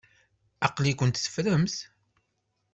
Aql-ikent teffremt.